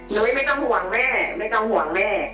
ไม่ต้องห่วงแม่ไม่ต้องห่วงแม่